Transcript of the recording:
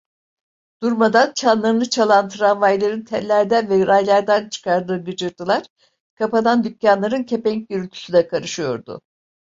Durmadan çanlarını çalan tramvayların tellerden ve raylardan çıkardığı gıcırtılar, kapanan dükkanların kepenk gürültüsüne karışıyordu.